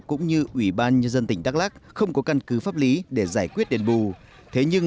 cũng như ủy ban nhân dân tỉnh đắk lắc không có căn cứ pháp lý để giải quyết đền bù thế nhưng